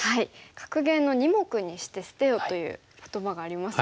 格言の「２目にして捨てよ」という言葉がありますが。